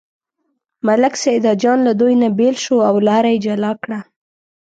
ملک سیدجان له دوی نه بېل شو او لاره یې جلا کړه.